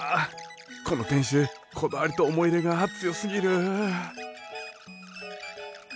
この店主こだわりと思い入れが強すぎる。